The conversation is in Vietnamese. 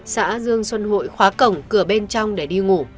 xã dương xuân hội khóa cổng cửa bên trong để đi ngủ